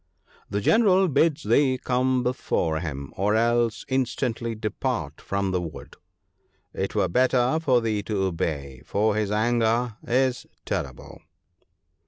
The General bids thee come before him, or else instantly depart from the wood. It were better for thee to obey, for his anger is terrible.'